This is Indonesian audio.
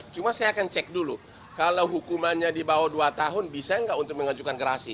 cuma saya akan cek dulu kalau hukumannya di bawah dua tahun bisa nggak untuk mengajukan gerasi